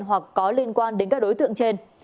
hoặc có liên quan đến các đối tượng trên